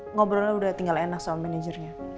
ngobrolnya udah tinggal enak sama manajernya